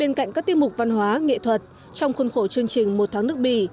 bên cạnh các tiết mục văn hóa nghệ thuật trong khuôn khổ chương trình một tháng nước bỉ